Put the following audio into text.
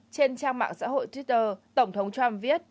trên trang mạng xã hội twitter tổng thống trump viết